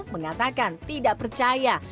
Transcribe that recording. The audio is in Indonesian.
mengatakan tidak percaya